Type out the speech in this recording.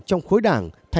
chúng tôi đối xử